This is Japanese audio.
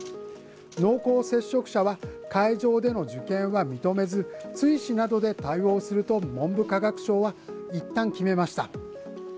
濃厚接触者は会場での受験は認めず、追試などで対応すると文部科学省は一旦決めました。